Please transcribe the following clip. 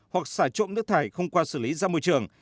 hoặc xả trộm nước thải không qua xử lý ra môi trường